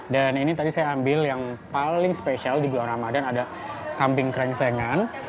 dan ini tadi saya ambil yang paling spesial di bulan ramadan ada kambing krengsengan